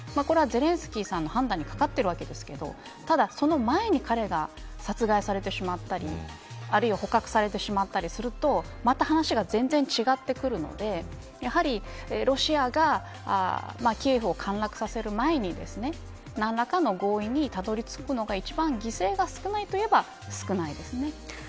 これは、ゼレンスキーさんの判断にかかっているわけですけどただ、その前に彼が殺害されてしまったりあるいは捕獲されてしまったりするとまた話が全然違ってくるのでやはり、ロシアがキエフを陥落させる前に何らかの合意にたどり着くのが一番犠牲が少ないといえば少ないですね。